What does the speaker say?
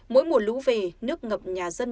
mỗi mùa lũ về nước ngập nhà dân